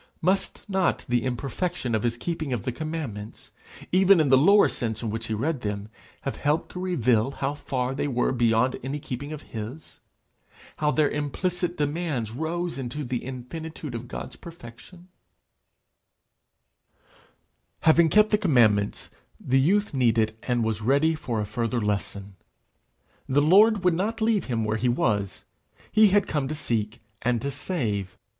Must not the imperfection of his keeping of the commandments, even in the lower sense in which he read them, have helped to reveal how far they were beyond any keeping of his, how their implicit demands rose into the infinitude of God's perfection? Having kept the commandments, the youth needed and was ready for a further lesson: the Lord would not leave him where he was; he had come to seek and to save.